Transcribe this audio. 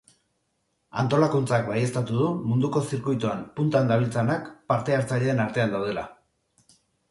Antolakuntzak baieztatu du munduko zirkuitoan puntan dabiltzanak parte hartzaileen artean daudela.